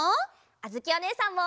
あづきおねえさんも！